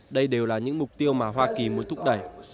đây đều là những mục tiêu mà hoa kỳ muốn thúc đẩy